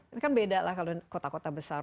ini kan beda lah kalau kota kota besar